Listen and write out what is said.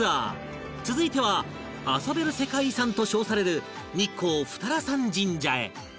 続いては遊べる世界遺産と称される日光二荒山神社へ